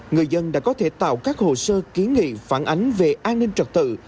người dân đã có thể tạo các hồ sơ ký nghị phản ánh về an ninh trật tự